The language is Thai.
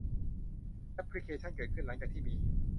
แอปพลิเคชั่นเกิดขึ้นหลังจากที่มี